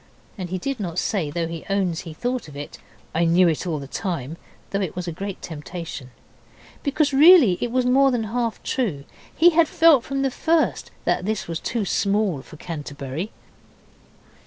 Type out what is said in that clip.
And he did not say, though he owns he thought of it 'I knew it all the time,' though it was a great temptation. Because really it was more than half true. He had felt from the first that this was too small for Canterbury.